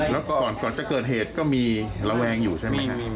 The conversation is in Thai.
แล้วก่อนจะเกิดเหตุก็มีระแวงอยู่ใช่ไหมครับ